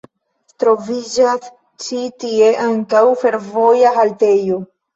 Troviĝas ĉi tie ankaŭ fervoja haltejo.